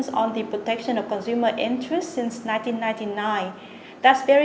để phát triển cho doanh nghiệp